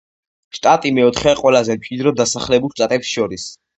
შტატი მეოთხეა ყველაზე მჭიდროდ დასახლებულ შტატებს შორის.